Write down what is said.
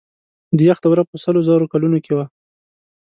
د یخ دوره په سلو زرو کلونو کې وه.